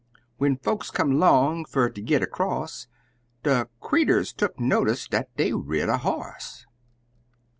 When folks come 'long fer ter git across, De creeturs tuck notice dat dey rid a hoss.